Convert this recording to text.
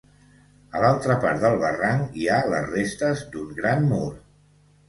A l'altra part del barranc hi ha les restes d'un gran mur.